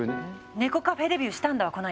猫カフェデビューしたんだわこの間。